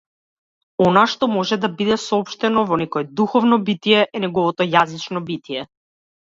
Она што може да биде соопштено во некое духовно битие е неговото јазично битие.